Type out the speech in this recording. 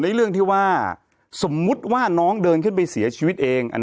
เรื่องที่ว่าสมมุติว่าน้องเดินขึ้นไปเสียชีวิตเอง